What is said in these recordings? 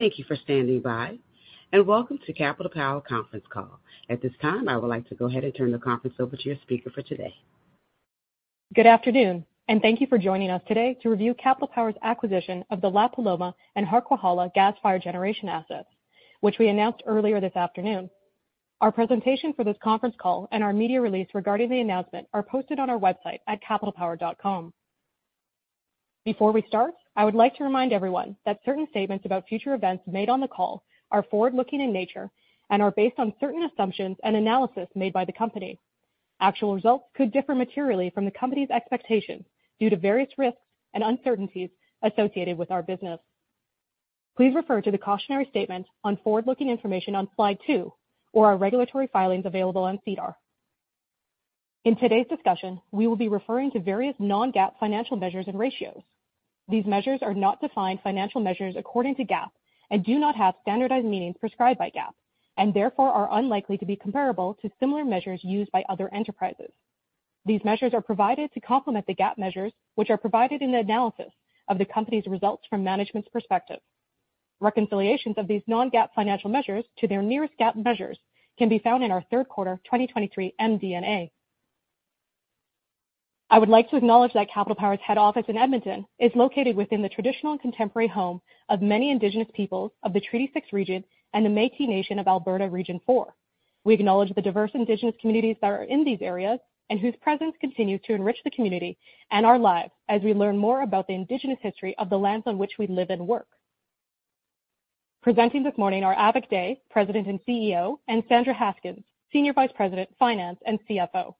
Thank you for standing by, and welcome to Capital Power Conference Call. At this time, I would like to go ahead and turn the conference over to your speaker for today. Good afternoon, and thank you for joining us today to review Capital Power's acquisition of the La Paloma and Harquahala gas-fired generation assets, which we announced earlier this afternoon. Our presentation for this conference call and our media release regarding the announcement are posted on our website at capitalpower.com. Before we start, I would like to remind everyone that certain statements about future events made on the call are forward-looking in nature and are based on certain assumptions and analysis made by the company. Actual results could differ materially from the company's expectations due to various risks and uncertainties associated with our business. Please refer to the cautionary statement on forward-looking information on slide two or our regulatory filings available on SEDAR. In today's discussion, we will be referring to various non-GAAP financial measures and ratios. These measures are not defined financial measures according to GAAP and do not have standardized meanings prescribed by GAAP and therefore are unlikely to be comparable to similar measures used by other enterprises. These measures are provided to complement the GAAP measures, which are provided in the analysis of the company's results from management's perspective. Reconciliations of these non-GAAP financial measures to their nearest GAAP measures can be found in our Q3 2023 MD&A. I would like to acknowledge that Capital Power's head office in Edmonton is located within the traditional and contemporary home of many Indigenous peoples of the Treaty 6 region and the Métis Nation of Alberta Region 4. We acknowledge the diverse Indigenous communities that are in these areas and whose presence continues to enrich the community and our lives as we learn more about the Indigenous history of the lands on which we live and work. Presenting this morning are Avik Dey, President and CEO, and Sandra Haskins, Senior Vice President, Finance, and CFO.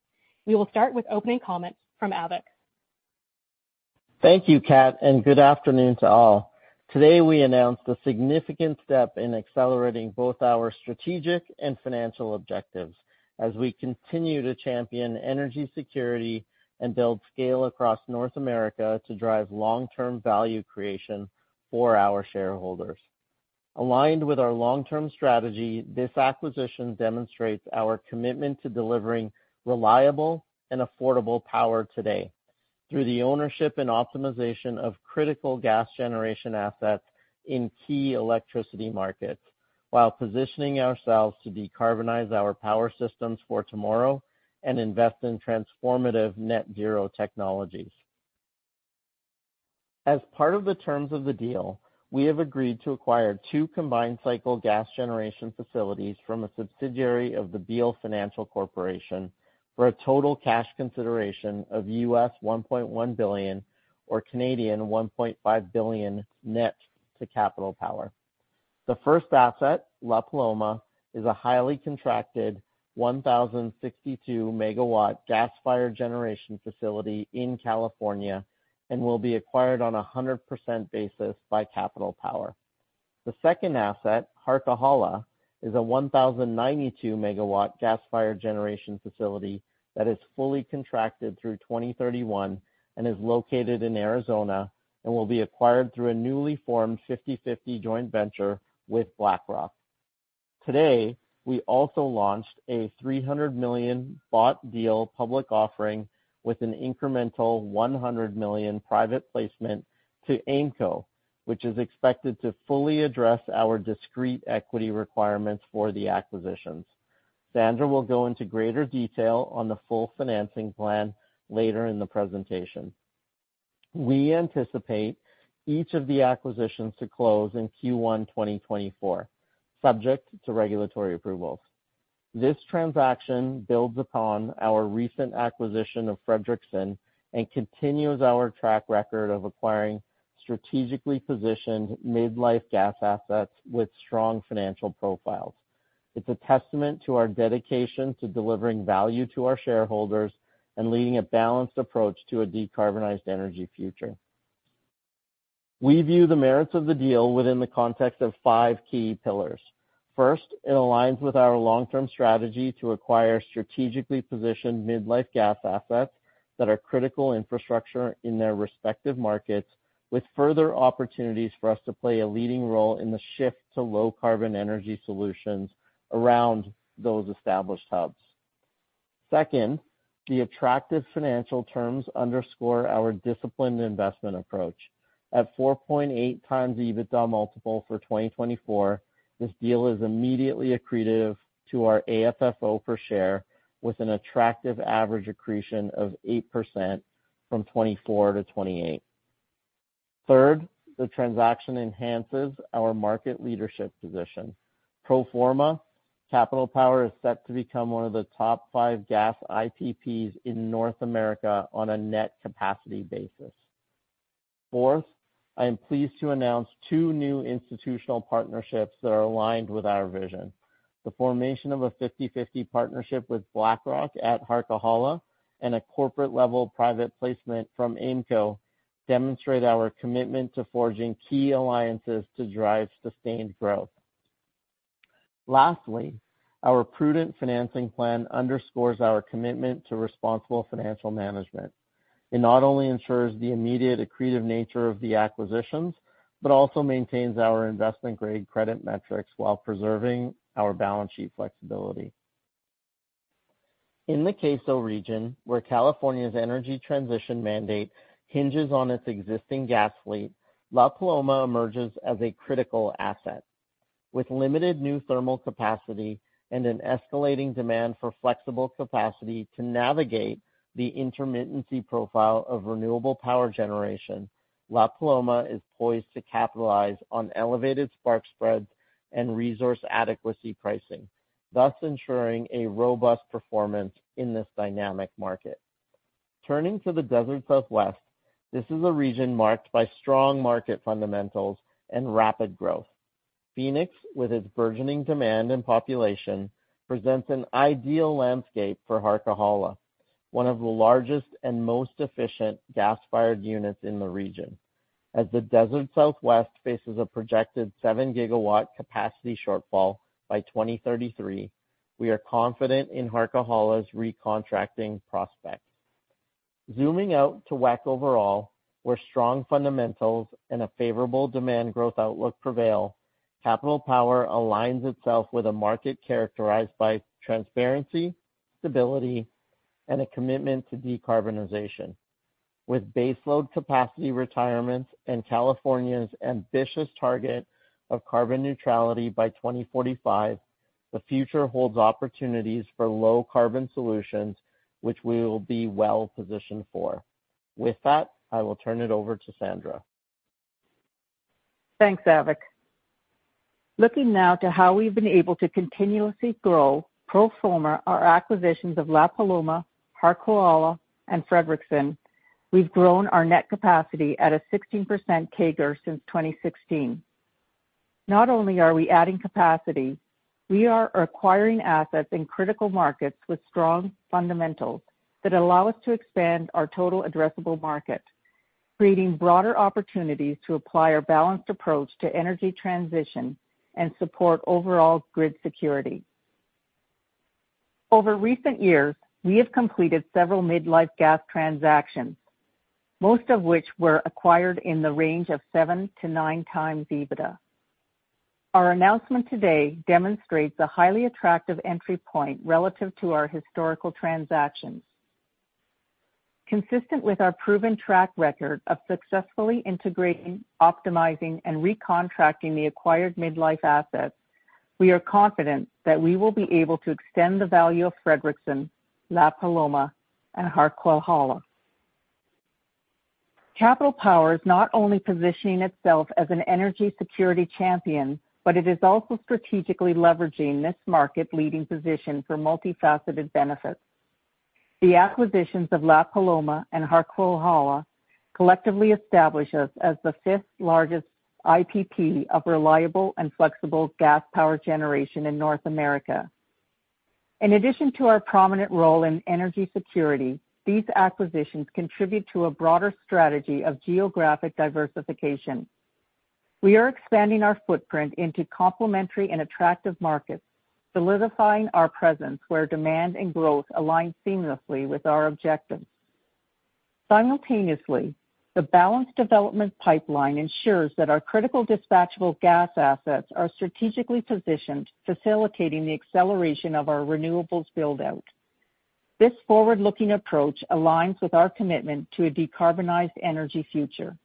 We will start with opening comments from Avik. Thank you, Kat, and good afternoon to all. Today, we announced a significant step in accelerating both our strategic and financial objectives as we continue to champion energy security and build scale across North America to drive long-term value creation for our shareholders. Aligned with our long-term strategy, this acquisition demonstrates our commitment to delivering reliable and affordable power today through the ownership and optimization of critical gas generation assets in key electricity markets, while positioning ourselves to decarbonize our power systems for tomorrow and invest in transformative Net Zero technologies. As part of the terms of the deal, we have agreed to acquire 2 combined-cycle gas generation facilities from a subsidiary of the Beal Financial Corporation for a total cash consideration of US $1.1 billion or 1.5 billion net to Capital Power. The first asset, La Paloma, is a highly contracted 1,062-MW gas-fired generation facility in California and will be acquired on a 100% basis by Capital Power. The second asset, Harquahala, is a 1,092-MW gas-fired generation facility that is fully contracted through 2031 and is located in Arizona and will be acquired through a newly formed 50/50 joint venture with BlackRock. Today, we also launched a 300 million bought deal public offering with an incremental 100 million private placement to AIMCo, which is expected to fully address our discrete equity requirements for the acquisitions. Sandra will go into greater detail on the full financing plan later in the presentation. We anticipate each of the acquisitions to close in Q1 2024, subject to regulatory approvals. This transaction builds upon our recent acquisition of Frederickson and continues our track record of acquiring strategically positioned mid-life gas assets with strong financial profiles. It's a testament to our dedication to delivering value to our shareholders and leading a balanced approach to a decarbonized energy future. We view the merits of the deal within the context of 5 key pillars. First, it aligns with our long-term strategy to acquire strategically positioned mid-life gas assets that are critical infrastructure in their respective markets, with further opportunities for us to play a leading role in the shift to low-carbon energy solutions around those established hubs. Second, the attractive financial terms underscore our disciplined investment approach. At 4.8 times EBITDA multiple for 2024, this deal is immediately accretive to our AFFO per share, with an attractive average accretion of 8% from 2024 to 2028. Third, the transaction enhances our market leadership position. Pro forma, Capital Power is set to become one of the top five gas IPPs in North America on a net capacity basis. Fourth, I am pleased to announce two new institutional partnerships that are aligned with our vision. The formation of a 50/50 partnership with BlackRock at Harquahala and a corporate-level private placement from AIMCo demonstrate our commitment to forging key alliances to drive sustained growth. Lastly, our prudent financing plan underscores our commitment to responsible financial management. It not only ensures the immediate accretive nature of the acquisitions, but also maintains our investment-grade credit metrics while preserving our balance sheet flexibility. In the CAISO region, where California's energy transition mandate hinges on its existing gas fleet, La Paloma emerges as a critical asset. With limited new thermal capacity and an escalating demand for flexible capacity to navigate the intermittency profile of renewable power generation, La Paloma is poised to capitalize on elevated spark spreads and resource adequacy pricing, thus ensuring a robust performance in this dynamic market. Turning to the Desert Southwest, this is a region marked by strong market fundamentals and rapid growth. Phoenix, with its burgeoning demand and population, presents an ideal landscape for Harquahala, one of the largest and most efficient gas-fired units in the region. As the Desert Southwest faces a projected 7-GW capacity shortfall by 2033, we are confident in Harquahala's recontracting prospects. Zooming out to WECC overall, where strong fundamentals and a favorable demand growth outlook prevail, Capital Power aligns itself with a market characterized by transparency, stability, and a commitment to decarbonization. With baseload capacity retirements and California's ambitious target of carbon neutrality by 2045, the future holds opportunities for low-carbon solutions, which we will be well positioned for. With that, I will turn it over to Sandra. Thanks Avik. Looking now to how we've been able to continuously grow, pro forma, our acquisitions of La Paloma, Harquahala, and Frederickson, we've grown our net capacity at a 16% CAGR since 2016. Not only are we adding capacity, we are acquiring assets in critical markets with strong fundamentals that allow us to expand our total addressable market, creating broader opportunities to apply our balanced approach to energy transition and support overall grid security. Over recent years, we have completed several mid-life gas transactions, most of which were acquired in the range of 7 to 9 times EBITDA. Our announcement today demonstrates a highly attractive entry point relative to our historical transactions. Consistent with our proven track record of successfully integrating, optimizing, and recontracting the acquired mid-life assets, we are confident that we will be able to extend the value of Frederickson, La Paloma, and Harquahala. Capital Power is not only positioning itself as an energy security champion, but it is also strategically leveraging this market-leading position for multifaceted benefits. The acquisitions of La Paloma and Harquahala collectively establish us as the fifth-largest IPP of reliable and flexible gas power generation in North America. In addition to our prominent role in energy security, these acquisitions contribute to a broader strategy of geographic diversification. We are expanding our footprint into complementary and attractive markets, solidifying our presence where demand and growth align seamlessly with our objectives. Simultaneously, the balanced development pipeline ensures that our critical dispatchable gas assets are strategically positioned, facilitating the acceleration of our renewables build-out. This forward-looking approach aligns with our commitment to a decarbonized energy future.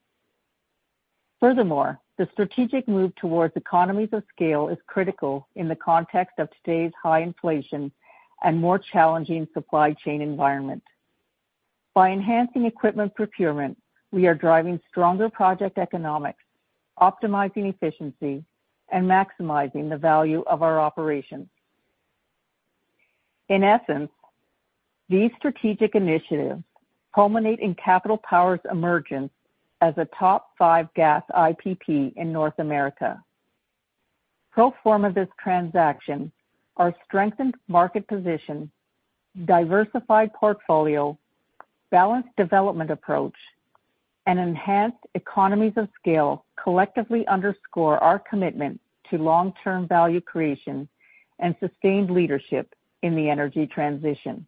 Furthermore, the strategic move towards economies of scale is critical in the context of today's high inflation and more challenging supply chain environment. By enhancing equipment procurement, we are driving stronger project economics, optimizing efficiency, and maximizing the value of our operations. In essence, these strategic initiatives culminate in Capital Power's emergence as a top five gas IPP in North America. Pro forma this transaction, our strengthened market position, diversified portfolio, balanced development approach, and enhanced economies of scale collectively underscore our commitment to long-term value creation and sustained leadership in the energy transition.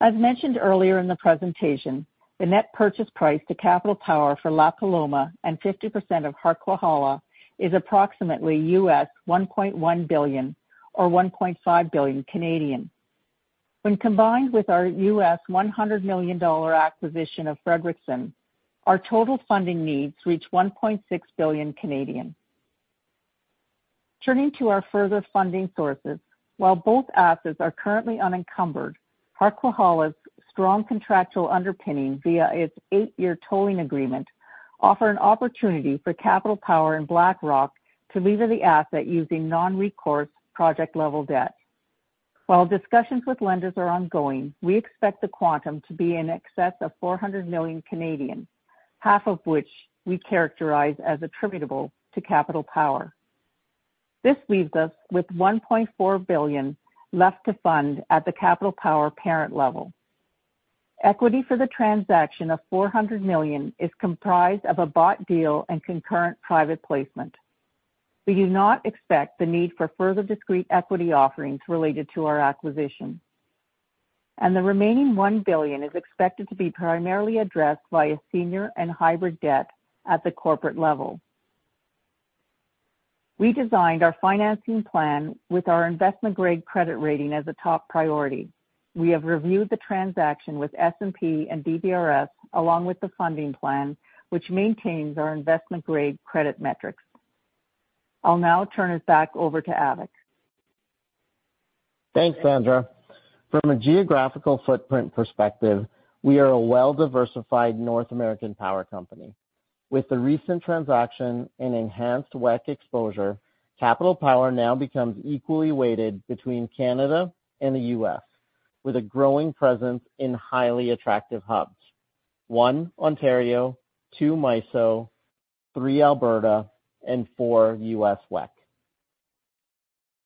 As mentioned earlier in the presentation, the net purchase price to Capital Power for La Paloma and 50% of Harquahala is approximately $1.1 billion or 1.5 billion. When combined with our $100 million acquisition of Frederickson, our total funding needs reach 1.6 billion. Turning to our further funding sources, while both assets are currently unencumbered, Harquahala's strong contractual underpinning via its eight-year tolling agreement offer an opportunity for Capital Power and BlackRock to leverage the asset using non-recourse project-level debt. While discussions with lenders are ongoing, we expect the quantum to be in excess of 400 million, half of which we characterize as attributable to Capital Power. This leaves us with 1.4 billion left to fund at the Capital Power parent level. Equity for the transaction of 400 million is comprised of a bought deal and concurrent private placement. We do not expect the need for further discrete equity offerings related to our acquisition... and the remaining 1 billion is expected to be primarily addressed via senior and hybrid debt at the corporate level. We designed our financing plan with our investment-grade credit rating as a top priority. We have reviewed the transaction with S&P and DBRS, along with the funding plan, which maintains our investment-grade credit metrics. I'll now turn it back over to Avik. Thanks, Sandra. From a geographical footprint perspective, we are a well-diversified North American power company. With the recent transaction and enhanced WECC exposure, Capital Power now becomes equally weighted between Canada and the U.S., with a growing presence in highly attractive hubs: 1, Ontario, 2, MISO, 3, Alberta, and 4, US WECC.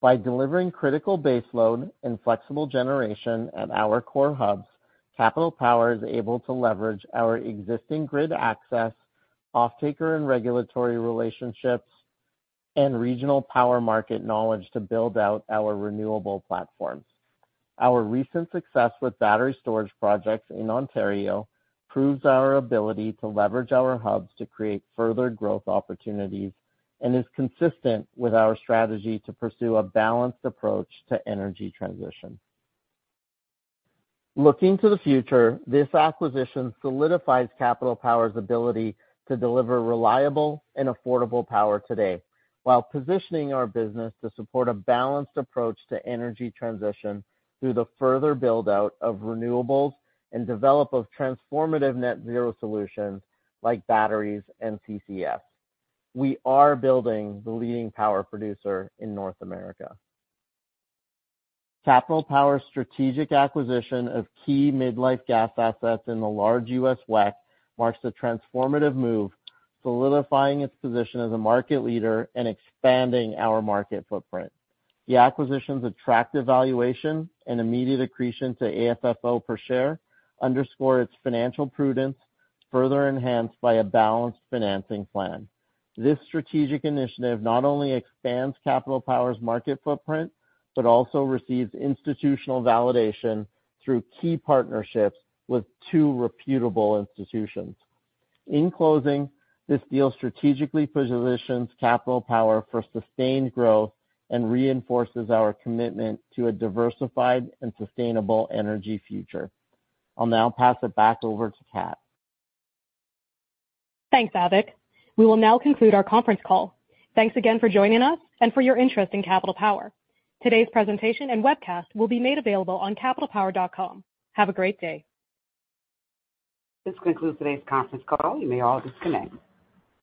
By delivering critical baseload and flexible generation at our core hubs, Capital Power is able to leverage our existing grid access, off-taker and regulatory relationships, and regional power market knowledge to build out our renewable platforms. Our recent success with battery storage projects in Ontario proves our ability to leverage our hubs to create further growth opportunities and is consistent with our strategy to pursue a balanced approach to energy transition. Looking to the future, this acquisition solidifies Capital Power's ability to deliver reliable and affordable power today, while positioning our business to support a balanced approach to energy transition through the further build-out of renewables and development of transformative Net Zero solutions like batteries and CCS. We are building the leading power producer in North America. Capital Power's strategic acquisition of key midlife gas assets in the large US WECC marks a transformative move, solidifying its position as a market leader and expanding our market footprint. The acquisition's attractive valuation and immediate accretion to AFFO per share underscore its financial prudence, further enhanced by a balanced financing plan. This strategic initiative not only expands Capital Power's market footprint, but also receives institutional validation through key partnerships with two reputable institutions. In closing, this deal strategically positions Capital Power for sustained growth and reinforces our commitment to a diversified and sustainable energy future. I'll now pass it back over to Kat. Thanks Avik. We will now conclude our conference call. Thanks again for joining us and for your interest in Capital Power. Today's presentation and webcast will be made available on capitalpower.com. Have a great day. This concludes today's conference call. You may all disconnect.